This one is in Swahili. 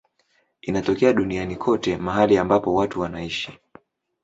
Inatokea duniani kote mahali ambapo watu wanaishi.